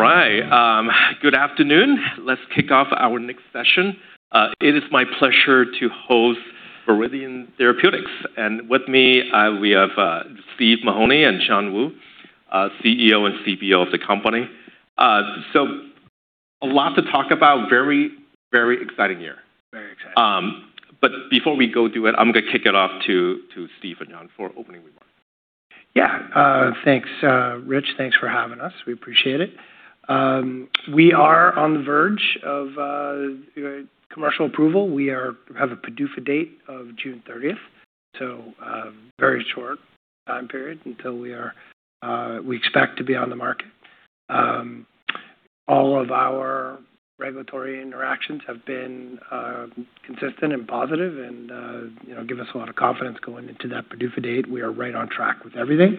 All right. Good afternoon. Let's kick off our next session. It is my pleasure to host Viridian Therapeutics. With me, we have Steve Mahoney and Shan Wu, CEO and CBO of the company. A lot to talk about. Very exciting year. Very exciting. Before we go through it, I'm going to kick it off to Steve and Shan for opening remarks. Yeah. Thanks, Rich. Thanks for having us. We appreciate it. We are on the verge of commercial approval. We have a PDUFA date of June 30th, so a very short time period until we expect to be on the market. All of our regulatory interactions have been consistent and positive and give us a lot of confidence going into that PDUFA date. We are right on track with everything.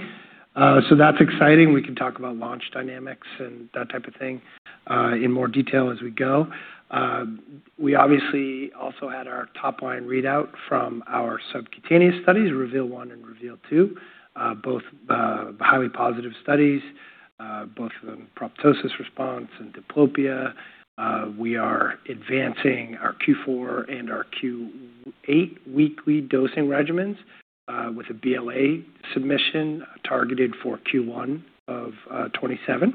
That's exciting. We can talk about launch dynamics and that type of thing in more detail as we go. We obviously also had our top-line readout from our subcutaneous studies, REVEAL-1 and REVEAL-2, both highly positive studies, both of them proptosis response and diplopia. We are advancing our Q4 and our Q8 weekly dosing regimens with a BLA submission targeted for Q1 of 2027.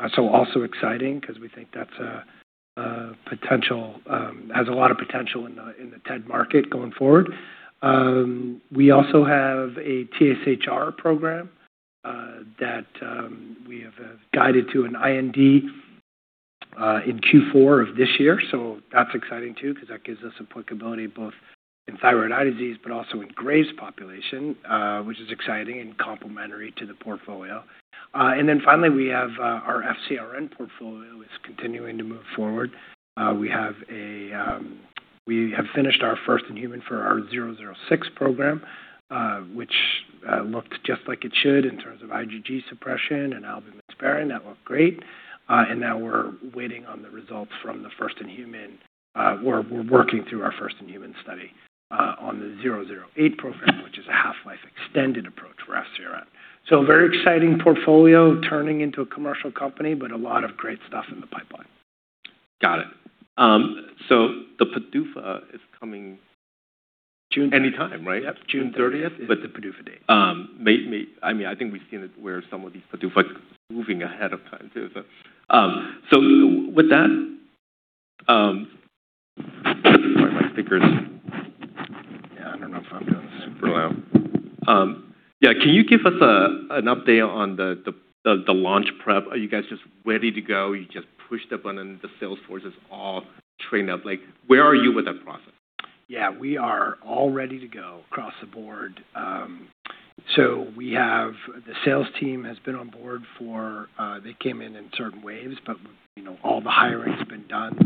Also exciting, because we think that has a lot of potential in the TED market going forward. We also have a TSHR program that we have guided to an IND in Q4 of this year. That's exciting too, because that gives us applicability both in thyroid eye disease but also in Graves' population, which is exciting and complementary to the portfolio. Finally, we have our FcRn portfolio is continuing to move forward. We have finished our first-in-human for our 006 program, which looked just like it should in terms of IgG suppression and albumin sparing. That looked great. Now we're working through our first-in-human study on the 008 program, which is a half-life extended approach for FcRn. A very exciting portfolio, turning into a commercial company, but a lot of great stuff in the pipeline. Got it. The PDUFA is coming. June 30th. anytime, right? Yep. June 30th is the PDUFA date. I think we've seen it where some of these PDUFA moving ahead of time, too. Yeah, I don't know if I'm going super loud. Yeah. Can you give us an update on the launch prep? Are you guys just ready to go? You just pushed the button and the sales force is all trained up. Where are you with that process? We are all ready to go across the board. The sales team has been on board for, they came in in certain waves, but all the hiring's been done.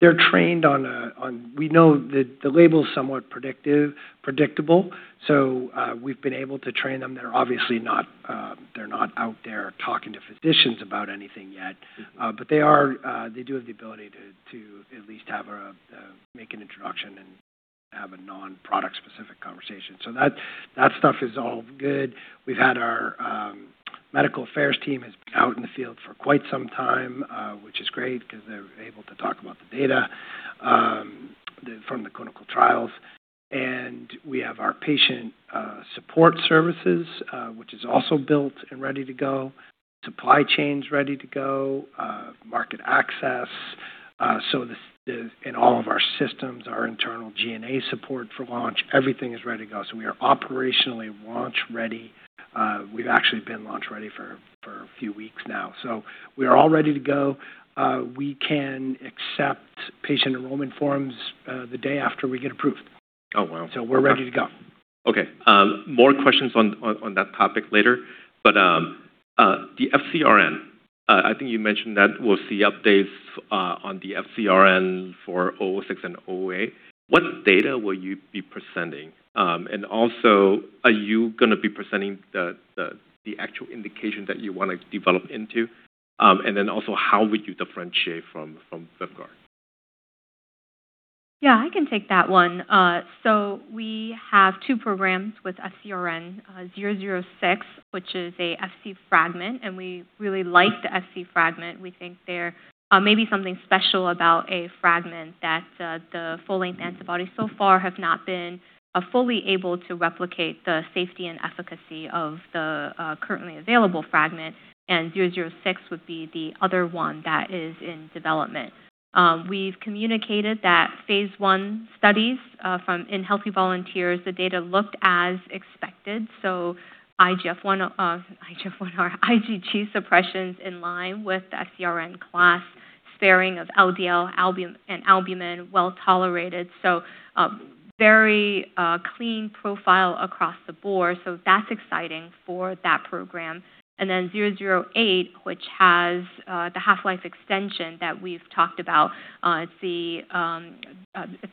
We know that the label's somewhat predictable, we've been able to train them. They're not out there talking to physicians about anything yet. They do have the ability to at least make an introduction and have a non-product specific conversation. That stuff is all good. Our medical affairs team has been out in the field for quite some time, which is great, because they're able to talk about the data from the clinical trials. We have our patient support services, which is also built and ready to go. Supply chain's ready to go, market access. In all of our systems, our internal G&A support for launch, everything is ready to go. We are operationally launch ready. We've actually been launch ready for a few weeks now, we are all ready to go. We can accept patient enrollment forms the day after we get approved. Oh, wow. Okay. We're ready to go. Okay. More questions on that topic later. The FcRn, I think you mentioned that we'll see updates on the FcRn for VRDN-006 and VRDN-008. What data will you be presenting? Are you going to be presenting the actual indication that you want to develop into? How would you differentiate from? Yeah, I can take that one. We have two programs with FcRn, VRDN-006, which is an Fc fragment, and we really like the Fc fragment. We think there may be something special about a fragment that the full-length antibodies so far have not been fully able to replicate the safety and efficacy of the currently available fragment, and VRDN-006 would be the other one that is in development. We've communicated that phase I studies in healthy volunteers, the data looked as expected. IGF-1R, IgG suppression's in line with the FcRn class sparing of LDL and albumin, well-tolerated. Very clean profile across the board, so that's exciting for that program. VRDN-008, which has the half-life extension that we've talked about. It's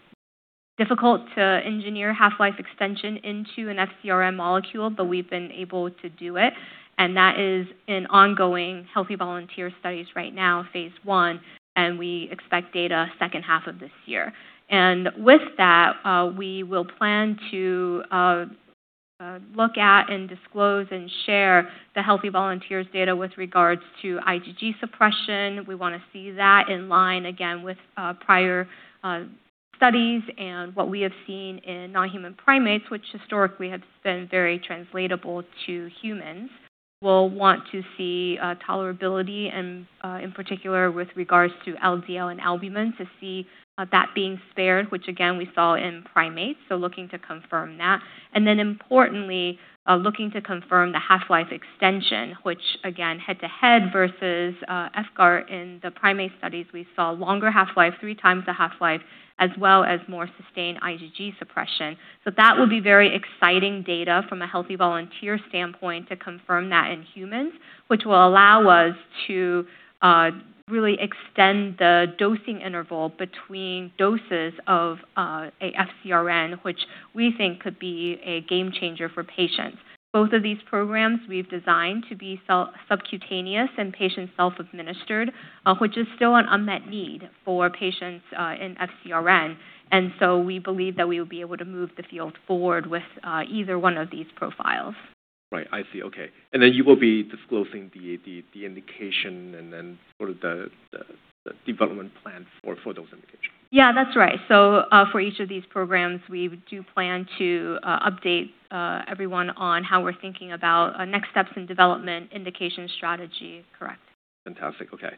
difficult to engineer half-life extension into an FcRn molecule, but we've been able to do it, and that is in ongoing healthy volunteer studies right now, phase I, and we expect data second half of this year. We will plan to look at and disclose and share the healthy volunteers' data with regards to IgG suppression. We want to see that in line again with prior studies and what we have seen in non-human primates, which historically had been very translatable to humans. We'll want to see tolerability and in particular with regards to LDL and albumin, to see that being spared, which again, we saw in primates. Looking to confirm that. Importantly, looking to confirm the half-life extension, which again, head to head versus efgartigimod in the primate studies, we saw longer half-life, three times the half-life, as well as more sustained IgG suppression. That will be very exciting data from a healthy volunteer standpoint to confirm that in humans, which will allow us to really extend the dosing interval between doses of an FcRn, which we think could be a game changer for patients. Both of these programs we've designed to be subcutaneous and patient self-administered, which is still an unmet need for patients in FcRn. We believe that we will be able to move the field forward with either one of these profiles. I see. Okay. You will be disclosing the indication and then sort of the development plan for those indications. Yeah, that's right. For each of these programs, we do plan to update everyone on how we're thinking about next steps in development, indication strategy. Correct. Fantastic. Okay.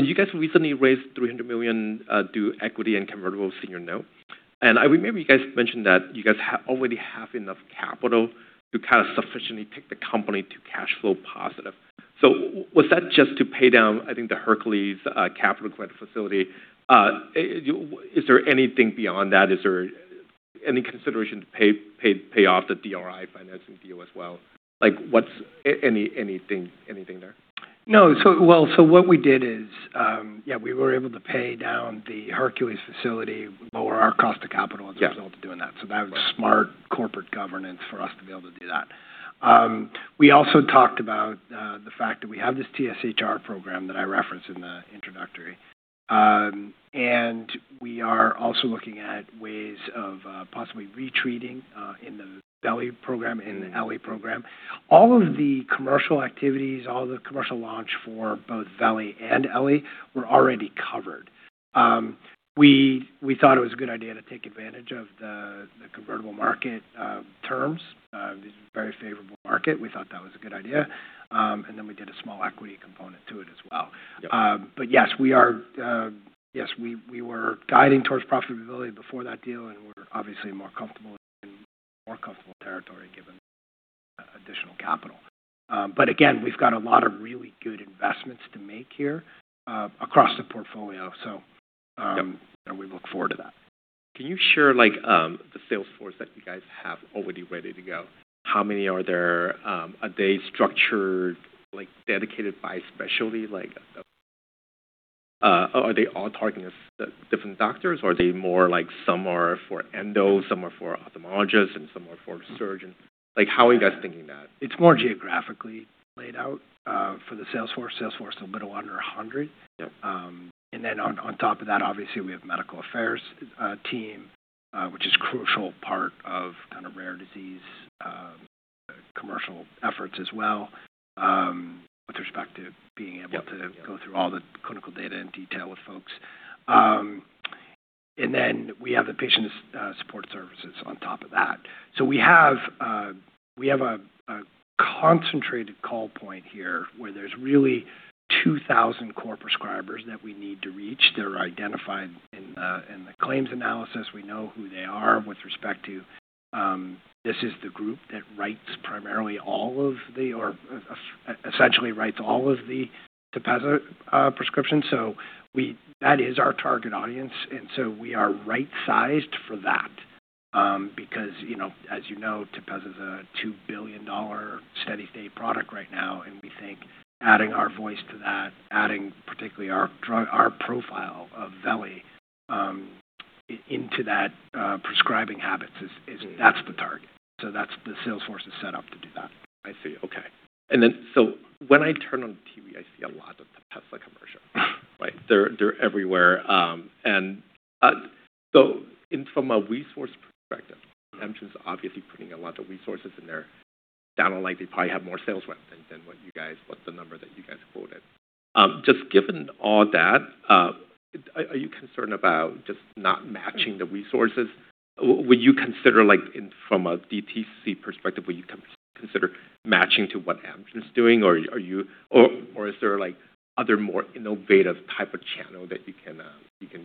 You guys recently raised $300 million equity and convertible senior note. I remember you guys mentioned that you guys already have enough capital to kind of sufficiently take the company to cash flow positive. Was that just to pay down, I think, the Hercules Capital credit facility? Is there anything beyond that? Is there any consideration to pay off the DRI Healthcare financing deal as well? Like, what's Anything there? No. What we did is, yeah, we were able to pay down the Hercules facility, lower our cost of capital. a result of doing that. That was smart corporate governance for us to be able to do that. We also talked about the fact that we have this TSHR program that I referenced in the introductory. We are also looking at ways of possibly retreating in the veli program, in the elegrobart program. All of the commercial activities, all the commercial launch for both veli and elegrobart were already covered. We thought it was a good idea to take advantage of the convertible market terms, this very favorable market. We thought that was a good idea. Then we did a small equity component to it as well. Yes, we were guiding towards profitability before that deal, and we're obviously more comfortable in more comfortable territory given additional capital. Again, we've got a lot of really good investments to make here across the portfolio. Yep We look forward to that. Can you share the sales force that you guys have already ready to go? How many are there? Are they structured, dedicated by specialty? Are they all targeting different doctors, or are they more like some are for endos, some are for ophthalmologists, and some are for surgeons? How are you guys thinking that? It's more geographically laid out for the sales force. The sales force is a little under 100. Yep. On top of that, obviously we have medical affairs team, which is crucial part of rare disease commercial efforts as well. go through all the clinical data in detail with folks. We have the patient support services on top of that. We have a concentrated call point here where there's really 2,000 core prescribers that we need to reach. They're identified in the claims analysis. We know who they are with respect to, this is the group that writes primarily all of the, or essentially writes all of the TEPEZZA prescriptions. That is our target audience, and so we are right-sized for that. As you know, TEPEZZA's a $2 billion steady-state product right now, and we think adding our voice to that, adding particularly our profile of veli into that prescribing habits is, that's the target. That's the sales force is set up to do that. I see. Okay. When I turn on the TV, I see a lot of TEPEZZA commercials. Right? They're everywhere. From a resource perspective, Amgen's obviously putting a lot of resources in there. They probably have more sales rep than what you guys, what the number that you guys quoted. Just given all that, are you concerned about just not matching the resources? Would you consider, from a DTC perspective, will you consider matching to what Amgen's doing? Or is there other more innovative type of channel that you can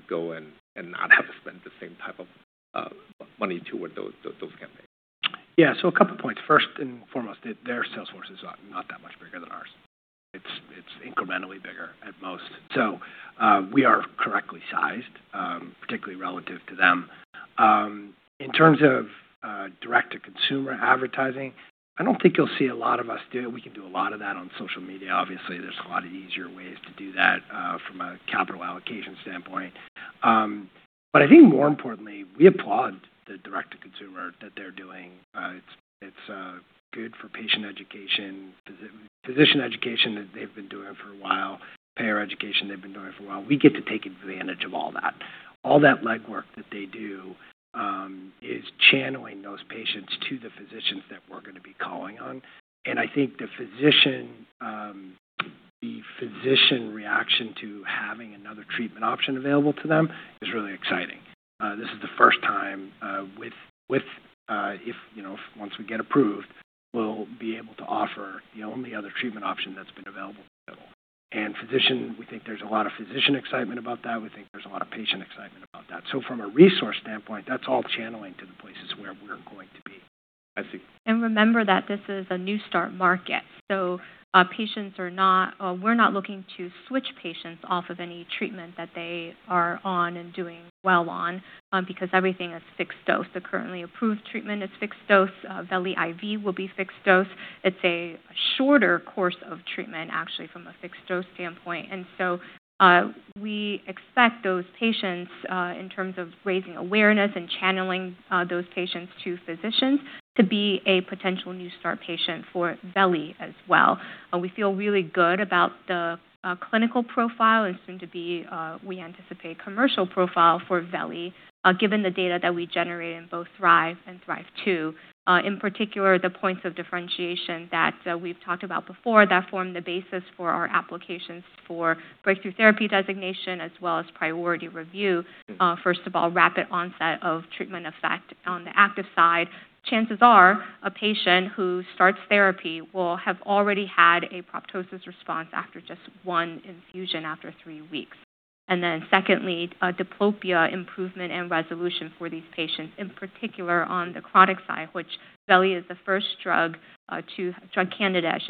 go and not have to spend the same type of money toward those campaigns? Yeah. A couple points. First and foremost, their Salesforce is not that much bigger than ours. It's incrementally bigger at most. We are correctly sized, particularly relative to them. In terms of direct-to-consumer advertising, I don't think you'll see a lot of us do. We can do a lot of that on social media. Obviously, there's a lot easier ways to do that, from a capital allocation standpoint. I think more importantly, we applaud the direct-to-consumer that they're doing. It's good for patient education. Physician education that they've been doing for a while, payer education they've been doing for a while. We get to take advantage of all that. All that legwork that they do is channeling those patients to the physicians that we're going to be calling on. I think the physician reaction to having another treatment option available to them is really exciting. This is the first time, once we get approved, we'll be able to offer the only other treatment option that's been available until. We think there's a lot of physician excitement about that. We think there's a lot of patient excitement about that. From a resource standpoint, that's all channeling to the places where we're going to be. I see. Remember that this is a new start market, we're not looking to switch patients off of any treatment that they are on and doing well on because everything is fixed dose. The currently approved treatment is fixed dose. veli IV will be fixed dose. It's a shorter course of treatment, actually, from a fixed dose standpoint. We expect those patients, in terms of raising awareness and channeling those patients to physicians, to be a potential new start patient for Veli as well. We feel really good about the clinical profile and soon to be, we anticipate, commercial profile for Veli, given the data that we generate in both THRIVE and THRIVE-2. In particular, the points of differentiation that we've talked about before that form the basis for our applications for breakthrough therapy designation as well as priority review. First of all, rapid onset of treatment effect on the active side. Chances are a patient who starts therapy will have already had a proptosis response after just one infusion after three weeks. Secondly, diplopia improvement and resolution for these patients, in particular on the chronic side, which Veli is the first drug candidate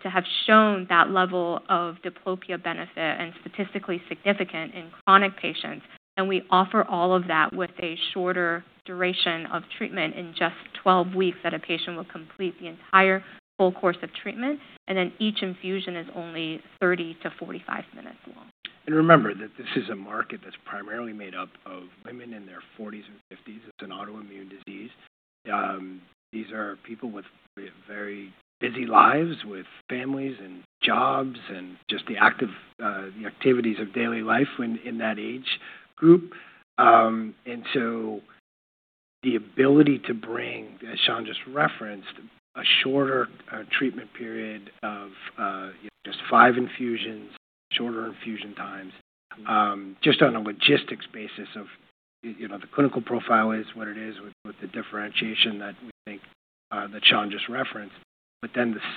to have shown that level of diplopia benefit and statistically significant in chronic patients. We offer all of that with a shorter duration of treatment in just 12 weeks that a patient will complete the entire full course of treatment, and each infusion is only 30 to 45 minutes long. Remember that this is a market that's primarily made up of women in their 40s and 50s. It's an autoimmune disease. These are people with very busy lives, with families and jobs and just the activities of daily life in that age group. The ability to bring, as Shan just referenced, a shorter treatment period of just five infusions, shorter infusion times, just on a logistics basis of the clinical profile is what it is with the differentiation that we think that Shan just referenced, the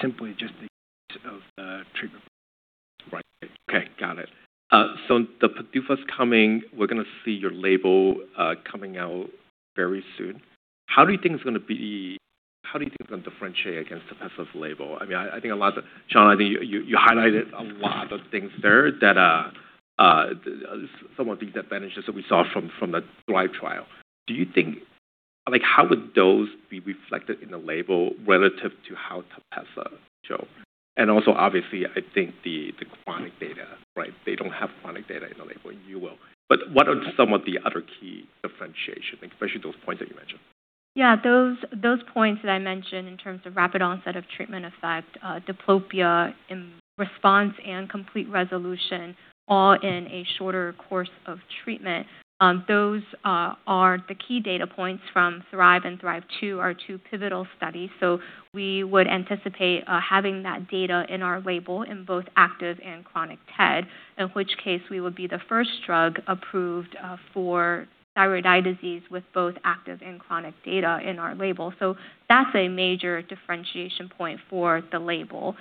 simply just the ease of the treatment. Right. Okay, got it. The PDUFA's coming. We're going to see your label coming out very soon. How do you think it's going to differentiate against TEPEZZA's label? Shan, I think you highlighted a lot of things there that some of these advantages that we saw from the THRIVE trial. How would those be reflected in the label relative to how TEPEZZA show? Obviously, I think the chronic data. They don't have chronic data in the label. You will. What are some of the other key differentiation, especially those points that you mentioned? Those points that I mentioned in terms of rapid onset of treatment effect, diplopia in response and complete resolution, all in a shorter course of treatment. Those are the key data points from THRIVE and THRIVE-2, our two pivotal studies. We would anticipate having that data in our label in both active and chronic TED, in which case we would be the first drug approved for thyroid eye disease with both active and chronic data in our label. That's a major differentiation point for the label.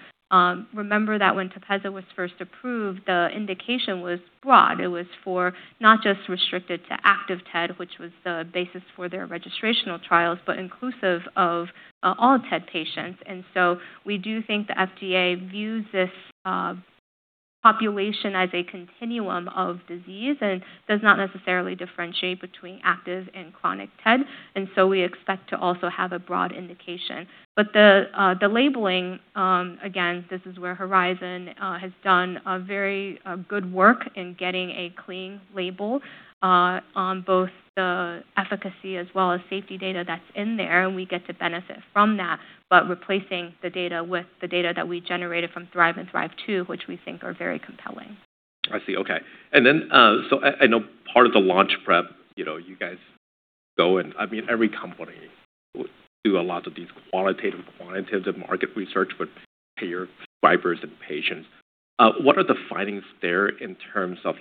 Remember that when TEPEZZA was first approved, the indication was broad. It was for not just restricted to active TED, which was the basis for their registrational trials, but inclusive of all TED patients. We do think the FDA views this population as a continuum of disease and does not necessarily differentiate between active and chronic TED, and so we expect to also have a broad indication. The labeling, again, this is where Horizon has done a very good work in getting a clean label on both the efficacy as well as safety data that's in there, and we get to benefit from that, but replacing the data with the data that we generated from THRIVE and THRIVE-2, which we think are very compelling. I see. Okay. I know part of the launch prep, you guys go and every company do a lot of these qualitative, quantitative market research with payer, prescribers, and patients. What are the findings there in terms of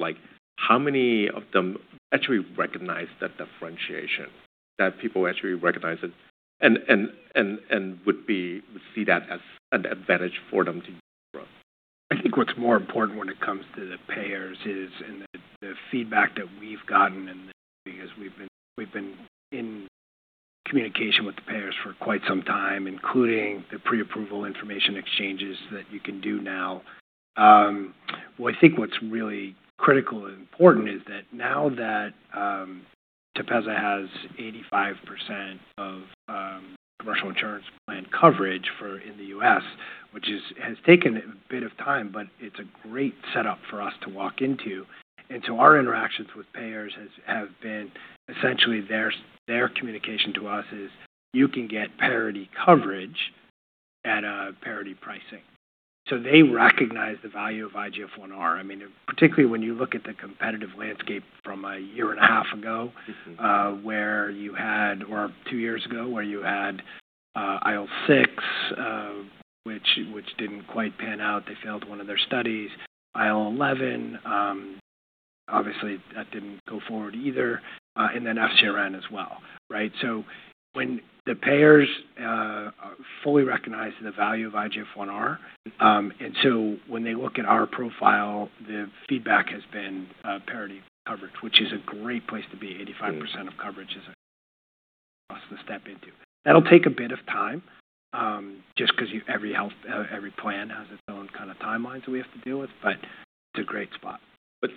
how many of them actually recognize that differentiation, that people actually recognize it and would see that as an advantage for them to use the drug? I think what's more important when it comes to the payers is, the feedback that we've gotten and as we've been in communication with the payers for quite some time, including the pre-approval information exchanges that you can do now. I think what's really critical and important is that now that TEPEZZA has 85% of commercial insurance plan coverage for the U.S., which has taken a bit of time, but it's a great setup for us to walk into. Our interactions with payers have been, essentially, their communication to us is, "You can get parity coverage at a parity pricing." They recognize the value of IGF-1R. Particularly when you look at the competitive landscape from a year and a half ago, where you had, or two years ago, where you had IL-6, which didn't quite pan out. They failed one of their studies. IL-11, obviously, that didn't go forward either. FcRn as well. When the payers fully recognize the value of IGF-1R, and so when they look at our profile, the feedback has been parity coverage, which is a great place to be. 85% of coverage is for us to step into. That'll take a bit of time, just because every plan has its own kind of timelines we have to deal with, but it's a great spot.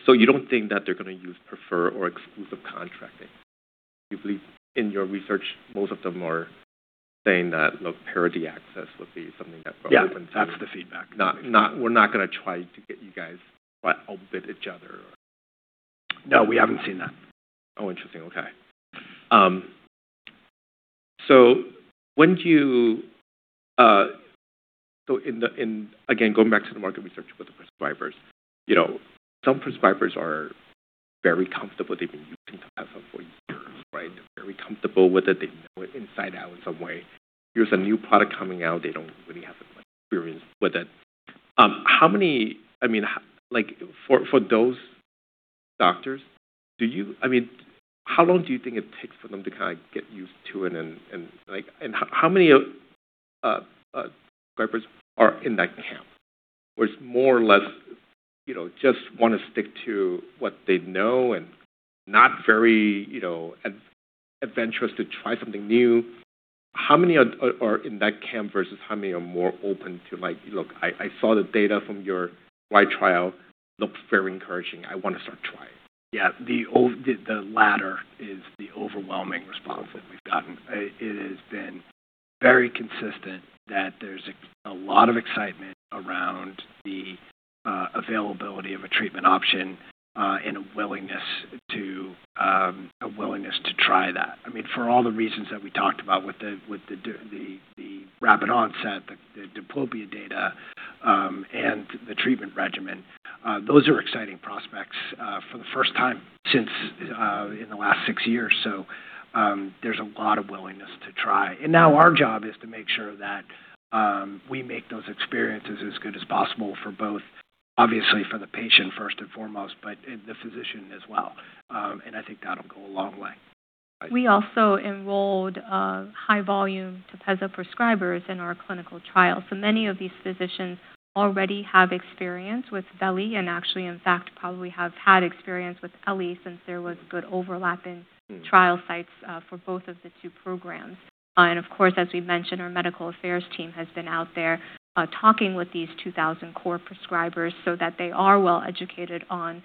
You don't think that they're going to use prefer or exclusive contracting? You believe in your research, most of them are saying that, "Look, parity access would be something that we're open to. Yeah. That's the feedback. We're not going to try to get you guys to outbid each other. No, we haven't seen that. Oh, interesting. Okay. Again, going back to the market research with the prescribers. Some prescribers are very comfortable. They've been using TEPEZZA for years. They're very comfortable with it. They know it inside out in some way. Here's a new product coming out. They don't really have that much experience with it. For those doctors, how long do you think it takes for them to kind of get used to it and how many prescribers are in that camp? Where it's more or less just want to stick to what they know and not very adventurous to try something new. How many are in that camp versus how many are more open to like, "Look, I saw the data from your THRIVE trial. Looked very encouraging. I want to start trying. Yeah. The latter is the overwhelming response that we've gotten. It has been very consistent that there's a lot of excitement around the availability of a treatment option and a willingness to try that. For all the reasons that we talked about with the rapid onset, the diplopia data, and the treatment regimen. Those are exciting prospects for the first time since in the last six years. There's a lot of willingness to try. Now our job is to make sure that we make those experiences as good as possible for both, obviously, for the patient first and foremost, but the physician as well. I think that'll go a long way. Right. We also enrolled high volume TEPEZZA prescribers in our clinical trial. Many of these physicians already have experience with veli IV, and actually, in fact, probably have had experience with elegrobart since there was good overlap in trial sites for both of the two programs. Of course, as we've mentioned, our medical affairs team has been out there talking with these 2,000 core prescribers so that they are well-educated on,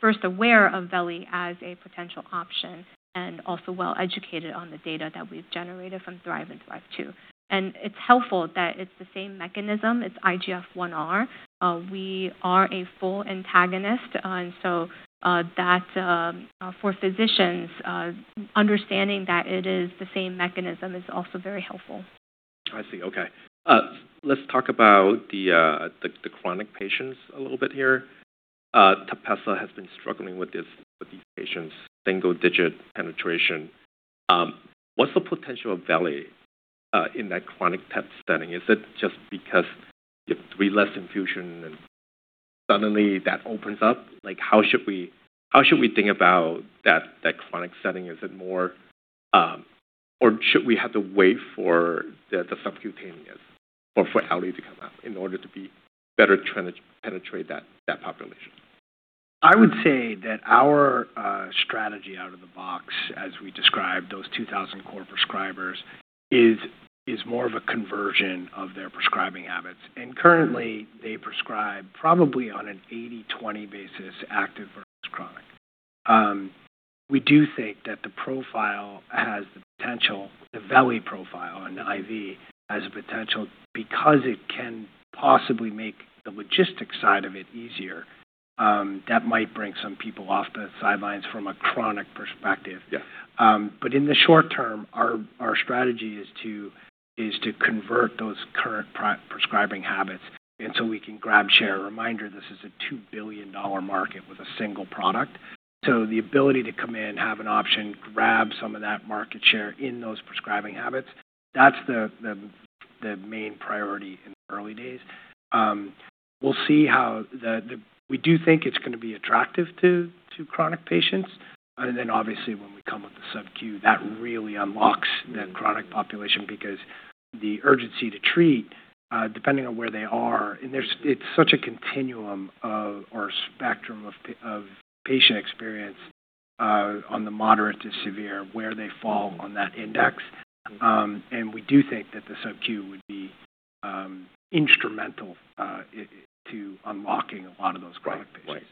first aware of veli IV as a potential option, and also well-educated on the data that we've generated from THRIVE and THRIVE-2. It's helpful that it's the same mechanism. It's IGF-1R. We are a full antagonist. For physicians, understanding that it is the same mechanism is also very helpful. I see. Okay. Let's talk about the chronic patients a little bit here. TEPEZZA has been struggling with these patients, single-digit penetration. What's the potential of veli IV in that chronic TED setting? Is it just because you have three less infusion and suddenly that opens up? How should we think about that chronic setting? Or should we have to wait for the subcutaneous or for elegrobart to come out in order to better penetrate that population? I would say that our strategy out of the box, as we described those 2,000 core prescribers, is more of a conversion of their prescribing habits. Currently, they prescribe probably on an 80/20 basis, active versus chronic. We do think that the veli IV profile has potential because it can possibly make the logistics side of it easier. That might bring some people off the sidelines from a chronic perspective. Yeah. In the short term, our strategy is to convert those current prescribing habits, we can grab share. A reminder, this is a $2 billion market with a single product. The ability to come in, have an option, grab some of that market share in those prescribing habits, that's the main priority in the early days. We do think it's going to be attractive to chronic patients. Obviously, when we come with the SubQ, that really unlocks the chronic population because the urgency to treat, depending on where they are, and it's such a continuum or spectrum of patient experience on the moderate to severe, where they fall on that index. We do think that the SubQ would be instrumental to unlocking a lot of those chronic patients.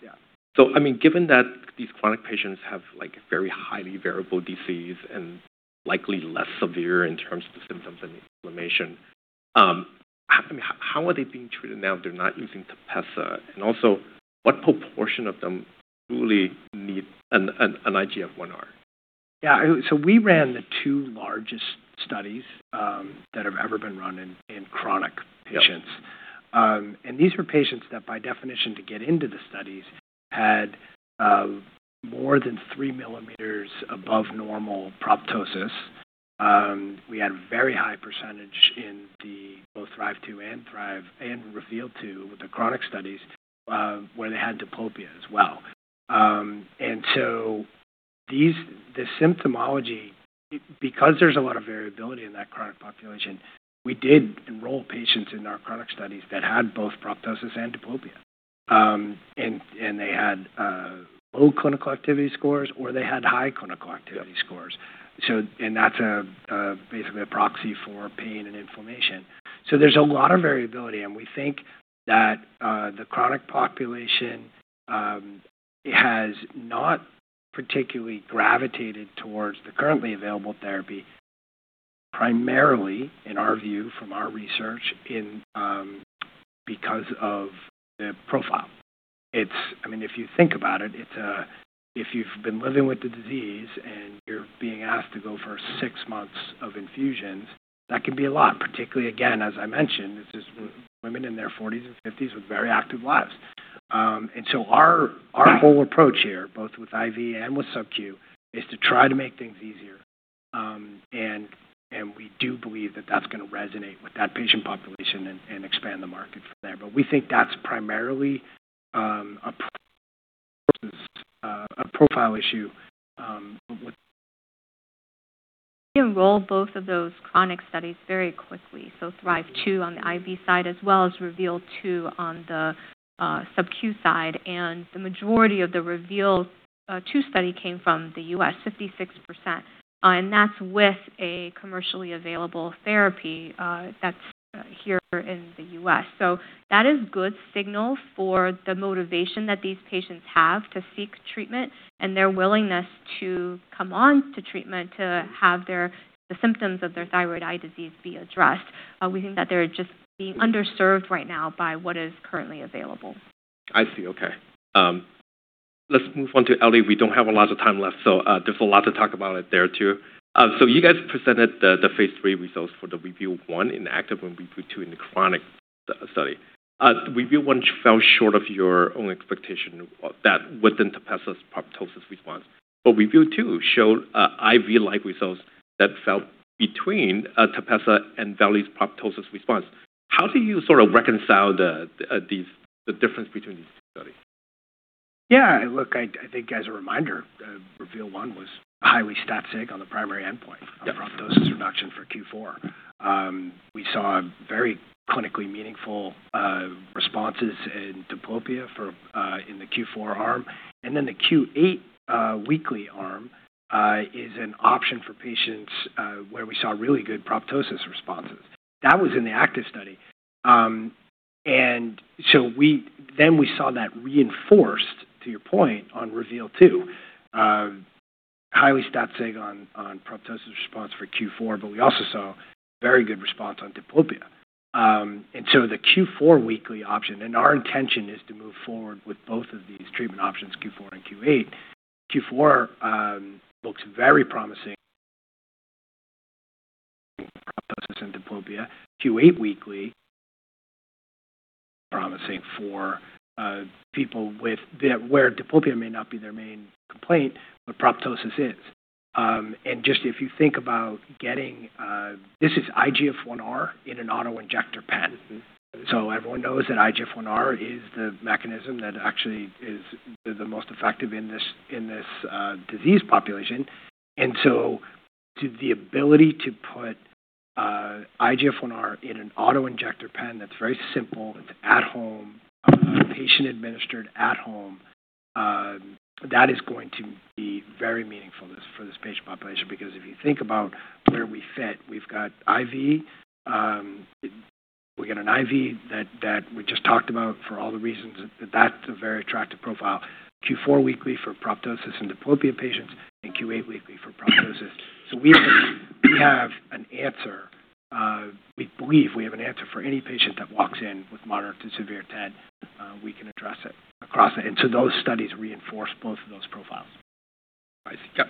Right. Given that these chronic patients have very highly variable disease and likely less severe in terms of the symptoms and inflammation, how are they being treated now if they're not using TEPEZZA? Also, what proportion of them truly need an IGF-1R? Yeah. We ran the two largest studies that have ever been run in chronic patients. These were patients that, by definition, to get into the studies, had more than three millimeters above normal proptosis. We had a very high percentage in both THRIVE-2 and REVEAL-2 with the chronic studies where they had diplopia as well. The symptomology, because there's a lot of variability in that chronic population, we did enroll patients in our chronic studies that had both proptosis and diplopia. They had low clinical activity scores, or they had high clinical activity scores. That's basically a proxy for pain and inflammation. There's a lot of variability, and we think that the chronic population has not particularly gravitated towards the currently available therapy, primarily, in our view, from our research, because of the profile. If you think about it, if you've been living with the disease and you're being asked to go for six months of infusions, that can be a lot. Particularly, again, as I mentioned, this is women in their 40s and 50s with very active lives. Our whole approach here, both with IV and with SubQ, is to try to make things easier. We do believe that that's going to resonate with that patient population and expand the market from there. We think that's primarily a profile issue. We enrolled both of those chronic studies very quickly, so THRIVE-2 on the IV side as well as REVEAL-2 on the SubQ side. The majority of the REVEAL-2 study came from the U.S., 56%, and that's with a commercially available therapy that's here in the U.S. That is good signal for the motivation that these patients have to seek treatment and their willingness to come on to treatment to have the symptoms of their Thyroid Eye Disease be addressed. We think that they're just being underserved right now by what is currently available. I see. Okay. Let's move on to Ellie. We don't have a lot of time left, so there's a lot to talk about there, too. You guys presented the phase III results for the REVEAL-1 in the active and REVEAL-2 in the chronic study. REVEAL-1 fell short of your own expectation that within TEPEZZA's proptosis response. REVEAL-2 showed IV-like results that fell between TEPEZZA and veligrotug proptosis response. How do you sort of reconcile the difference between these two studies? Yeah, look, I think as a reminder, REVEAL-1 was highly stat sig on the primary endpoint. Yeah of proptosis reduction for Q4. We saw very clinically meaningful responses in diplopia in the Q4 arm. The Q8 weekly arm is an option for patients where we saw really good proptosis responses. That was in the active study. We saw that reinforced, to your point, on REVEAL-2. Highly stat sig on proptosis response for Q4, but we also saw very good response on diplopia. The Q4 weekly option, and our intention is to move forward with both of these treatment options, Q4 and Q8. Q4 looks very promising in proptosis and diplopia. Q8 weekly promising for people where diplopia may not be their main complaint, but proptosis is. Just if you think about getting This is IGF-1R in an auto-injector pen. Everyone knows that IGF-1R is the mechanism that actually is the most effective in this disease population. The ability to put IGF-1R in an auto-injector pen that's very simple, it's at home, patient-administered at home, that is going to be very meaningful for this patient population because if you think about where we fit, we've got IV. We've got an IV that we just talked about for all the reasons that that's a very attractive profile. Q4 weekly for proptosis and diplopia patients, and Q8 weekly for proptosis. We have an answer. We believe we have an answer for any patient that walks in with moderate to severe TED. We can address it across it. Those studies reinforce both of those profiles. I see. Yeah.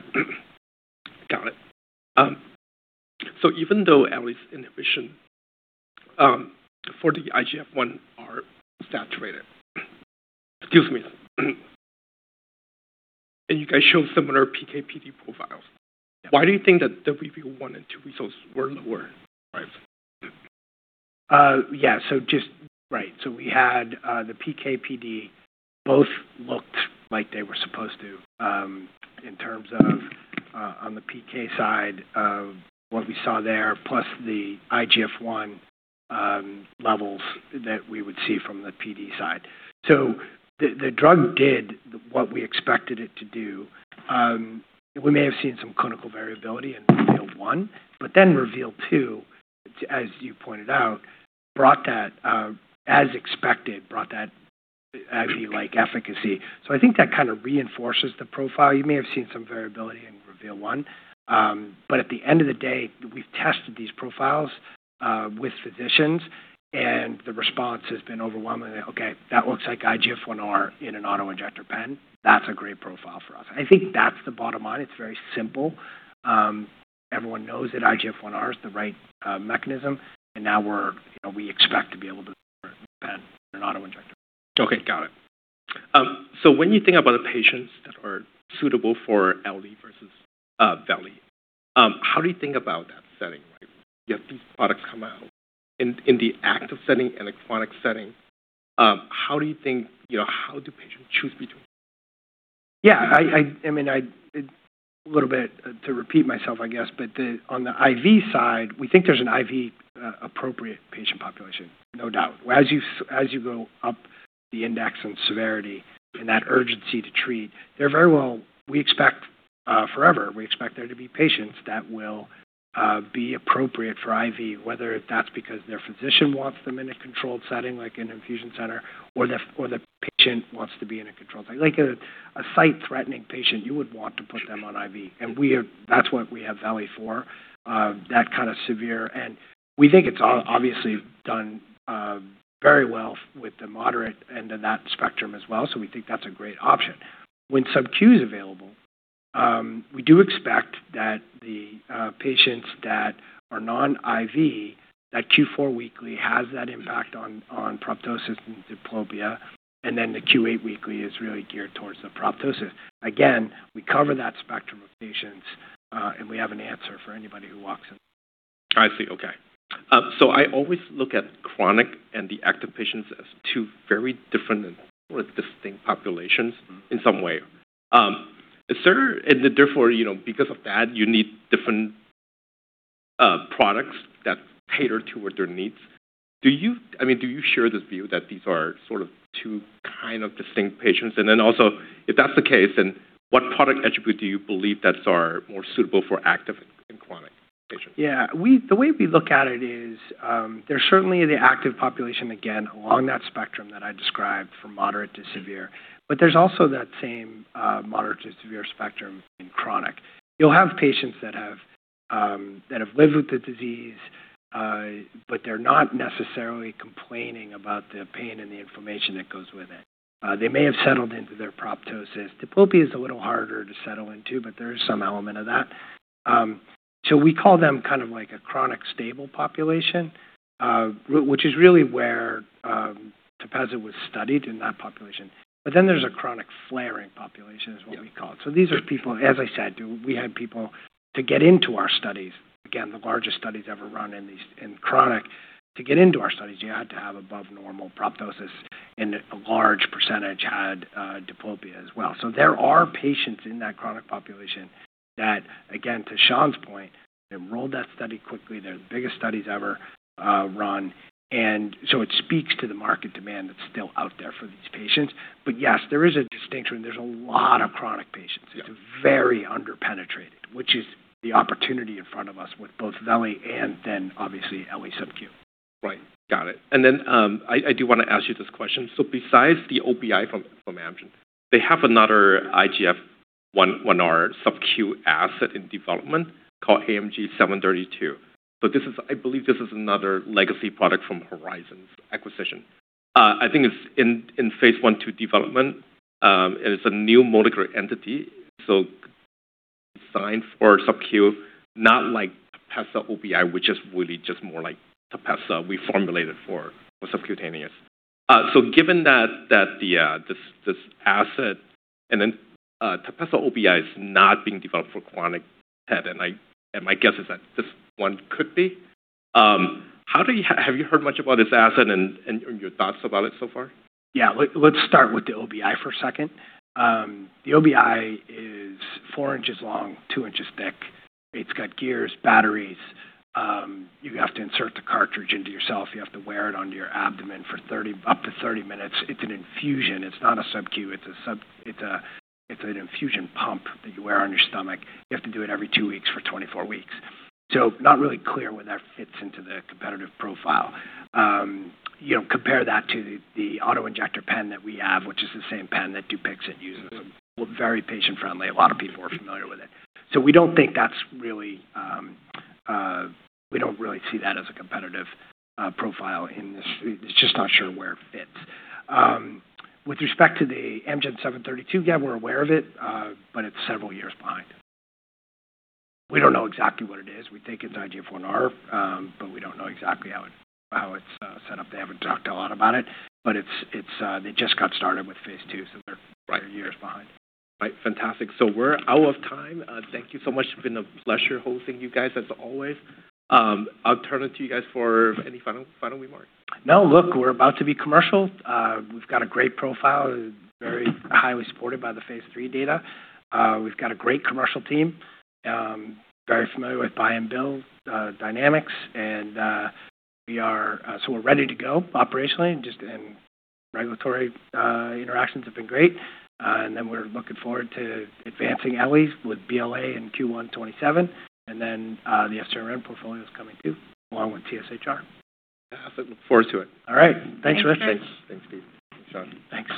Got it. Even though Ellie's inhibition for the IGF-1R saturated. Excuse me. You guys showed similar PK/PD profiles. Why do you think that the REVEAL-1 and REVEAL-2 results were lower praise? We had the PK/PD both looked like they were supposed to in terms of on the PK side of what we saw there, plus the IGF-1 levels that we would see from the PD side. The drug did what we expected it to do. We may have seen some clinical variability in REVEAL-1, but REVEAL-2, as you pointed out, as expected, brought that efficacy. I think that kind of reinforces the profile. You may have seen some variability in REVEAL-1, but at the end of the day, we've tested these profiles with physicians, and the response has been overwhelmingly, "Okay, that looks like IGF-1R in an auto-injector pen. That's a great profile for us." I think that's the bottom line. It's very simple. Everyone knows that IGF-1R is the right mechanism, and now we expect to be able to do that in an auto-injector. Okay. Got it. When you think about the patients that are suitable for Ellie versus Veli, how do you think about that setting, right? You have two products come out in the active setting and the chronic setting. How do patients choose between them? Yeah, a little bit to repeat myself, I guess, but on the IV side, we think there's an IV appropriate patient population, no doubt. As you go up the index in severity and that urgency to treat, forever, we expect there to be patients that will be appropriate for IV, whether that's because their physician wants them in a controlled setting like an infusion center, or the patient wants to be in a controlled setting. Like a sight-threatening patient, you would want to put them on IV. That's what we have Veli for, that kind of severe. We think it's obviously done very well with the moderate end of that spectrum as well, so we think that's a great option. When subQ is available, we do expect that the patients that are non-IV, that Q4 weekly has that impact on proptosis and diplopia, and the Q8 weekly is really geared towards the proptosis. We cover that spectrum of patients, and we have an answer for anybody who walks in. I see. Okay. I always look at chronic and the active patients as two very different and sort of distinct populations in some way. Therefore, because of that, you need different products that cater towards their needs. Do you share this view that these are sort of two kind of distinct patients? If that's the case, then what product attribute do you believe that are more suitable for active and chronic patients? Yeah. The way we look at it is, there's certainly the active population, again, along that spectrum that I described from moderate to severe, there's also that same moderate to severe spectrum in chronic. You'll have patients that have lived with the disease, but they're not necessarily complaining about the pain and the inflammation that goes with it. They may have settled into their proptosis. diplopia is a little harder to settle into, but there is some element of that. We call them kind of like a chronic stable population, which is really where TEPEZZA was studied in that population. There's a chronic flaring population is what we call it. These are people, as I said, we had people to get into our studies. The largest studies ever run in chronic. To get into our studies, you had to have above normal proptosis, and a large percentage had diplopia as well. There are patients in that chronic population that, again, to Shan Wu's point, they enrolled that study quickly. They're the biggest studies ever run. It speaks to the market demand that's still out there for these patients. Yes, there is a distinction. There's a lot of chronic patients. It's very under-penetrated, which is the opportunity in front of us with both Veli and then obviously Ellie subQ. Right. Got it. I do want to ask you this question. Besides the OBI from Amgen, they have another IGF-1R subQ asset in development called AMG 732. I believe this is another legacy product from Horizon's acquisition. I think it's in phase I to development. It's a new molecular entity. Signs for subQ, not like TEPEZZA OBI, which is really just more like TEPEZZA we formulated for subcutaneous. Given that this asset and then TEPEZZA OBI is not being developed for chronic TED, my guess is that this one could be. Have you heard much about this asset and your thoughts about it so far? Yeah. Let's start with the OBI for a second. The OBI is four inches long, two inches thick. It's got gears, batteries. You have to insert the cartridge into yourself. You have to wear it under your abdomen for up to 30 minutes. It's an infusion. It's not a subQ. It's an infusion pump that you wear on your stomach. You have to do it every two weeks for 24 weeks. Not really clear where that fits into the competitive profile. Compare that to the auto-injector pen that we have, which is the same pen that DUPIXENT uses. Very patient-friendly. A lot of people are familiar with it. We don't really see that as a competitive profile in this. It's just not sure where it fits. With respect to the AMG 732, yeah, we're aware of it, but it's several years behind. We don't know exactly what it is. We think it's IGF-1R. We don't know exactly how it's set up. They haven't talked a lot about it, they just got started with phase II, so they're years behind. Right. Fantastic. We're out of time. Thank you so much. It's been a pleasure hosting you guys, as always. I'll turn it to you guys for any final remarks. No, look, we're about to be commercial. We've got a great profile, very highly supported by the Phase III data. We've got a great commercial team, very familiar with buy and bill dynamics, so we're ready to go operationally. Regulatory interactions have been great. We're looking forward to advancing Ellie with BLA in Q1 2027. The SRM portfolio is coming, too, along with TSHR. Awesome. Look forward to it. All right. Thanks, Richard. Thanks. Thanks, Steve, Shan. Thanks.